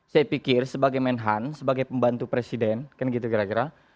saya pikir sebagai menhan sebagai pembantu presiden kan gitu kira kira